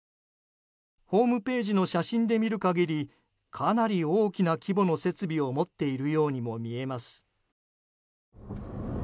ホームページの写真で見る限りかなり大きな規模の設備を持っているようにも見えます。